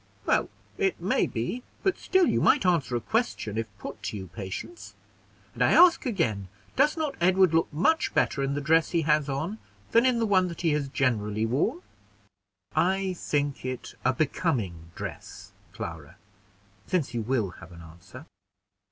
"Well, it may be, but still you might answer a question, if put to you, Patience: and I ask again, does not Edward look much better in the dress he has on than in the one that he has generally worn?" "I think it a becoming dress, Clara, since you will have an answer."